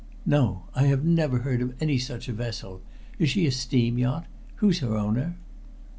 "No. I have never heard of any such a vessel. Is she a steam yacht? Who's her owner?"